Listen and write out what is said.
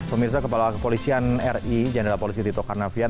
pemirsa kepala kepolisian ri jenderal polisi tito karnavian